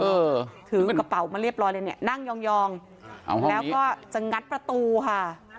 เออถือกระเป๋ามาเรียบร้อยเลยเนี่ยนั่งยองยองเอาห้องนี้แล้วก็จะงัดประตูค่ะ